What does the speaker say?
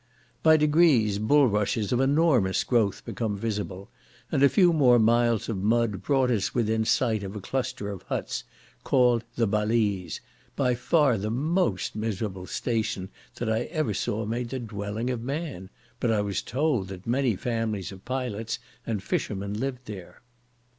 By degrees bulrushes of enormous growth become visible, and a few more miles of mud brought us within sight of a cluster of huts called the Balize, by far the most miserable station that I ever saw made the dwelling of man, but I was told that many families of pilots and fishermen lived there.